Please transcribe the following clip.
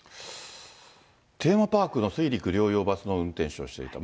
テーマパークの水陸両用バスの運転手をしていた。